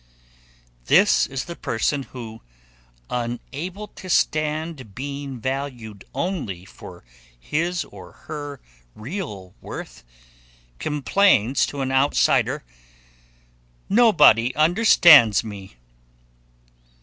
This is the person who, unable to stand being valued only for his or her real worth, complains to an outsider, "Nobody understands me."